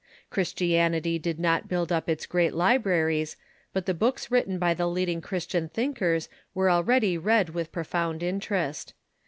Christianity had not built up its great libraries, but the books written by the leading Christian thinkers were already read with profound interest.